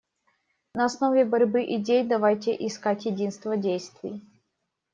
На основе борьбы идей давайте искать единство действий.